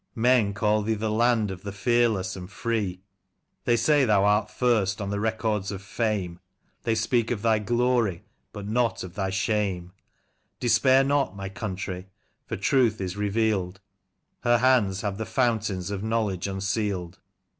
Men call thee the land of the fearless and free ; They say thou art first on the records of fame, They speak of thy glory, but not of thy shame I Despair not, my country I for truth is revealed — Her hands have the fountains of knowledge unsealed